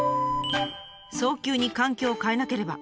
「早急に環境を変えなければ」。